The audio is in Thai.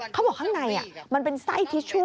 เขาบอกข้างในมันเป็นไส้ทิชชู่